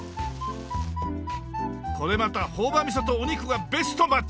これまた朴葉みそとお肉がベストマッチ！